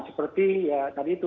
seperti ya tadi itu